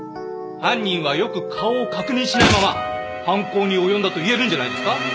犯人はよく顔を確認しないまま犯行に及んだと言えるんじゃないですか？